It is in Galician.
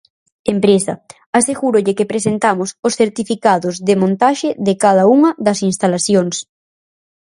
Empresa: asegúrolle que presentamos os certificados de montaxe de cada unha das instalacións.